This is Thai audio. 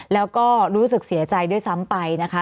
แล้วก็รู้สึกเสียใจด้วยซ้ำไปนะคะ